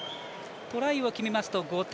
トライを決めますと５点。